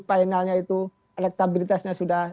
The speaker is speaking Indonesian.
finalnya itu elektabilitasnya sudah